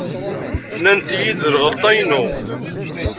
Nnant-iyi-d d lɣelḍa-inu.